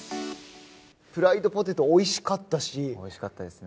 フライドポテト、おいしかっおいしかったですね。